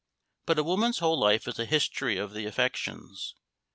But a woman's whole life is a history of the affections.